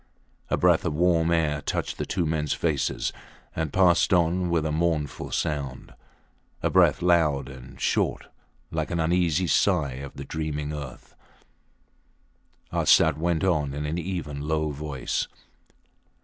A breath of warm air touched the two mens faces and passed on with a mournful sound a breath loud and short like an uneasy sigh of the dreaming earth. Arsat went on in an even, low voice.